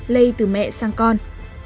lây từ mẹ sang con